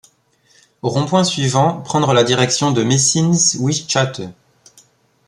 Au rond point suivant, prendre la direction de Messines-Wijtschate.